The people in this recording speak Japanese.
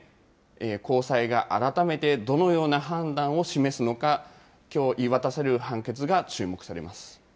高裁が改めてどのような判断を示すのか、きょう言い渡される判決が注目されます。